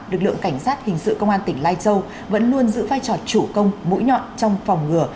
lực lượng cảnh sát hình sự công an tỉnh lai châu vẫn luôn giữ vai trò chủ công mũi nhọn trong phòng ngừa